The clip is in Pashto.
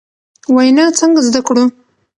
وینا څنګه زدکړو ؟